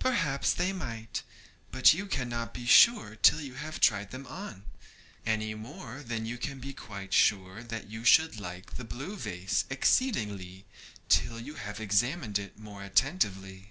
'Perhaps they might, but you cannot be sure till you have tried them on, any more than you can be quite sure that you should like the blue vase exceedingly till you have examined it more attentively.'